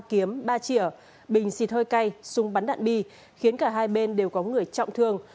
kiếm ba chỉ ở bình xịt hơi cay súng bắn đạn bi khiến cả hai bên đều có người trọng thương